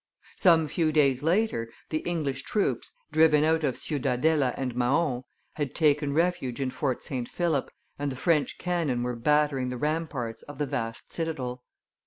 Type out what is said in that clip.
Some few days later, the English troops, driven out of Ciudadela and Mahon, had taken refuge in Fort St. Philip, and the French cannon were battering the ramparts of the vast citadel.